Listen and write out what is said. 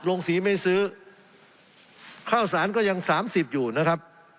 ลงสีไม่ซื้อข้าวสารก็ยังสามสิบอยู่นะครับ